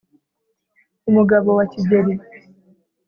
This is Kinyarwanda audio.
Umugabo wa Kigeli.